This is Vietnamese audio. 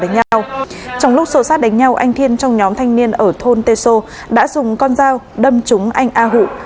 đánh nhau trong lúc sổ sát đánh nhau anh thiên trong nhóm thanh niên ở thôn tê sô đã dùng con dao đâm trúng anh a hụ